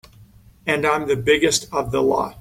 And I'm the biggest of the lot.